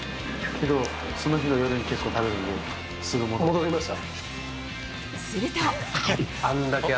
けど、その日の夜に結構食べ戻りました？